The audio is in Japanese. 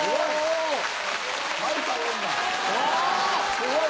すごい！